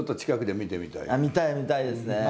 見たい見たいですね。